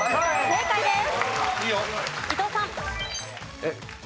正解です。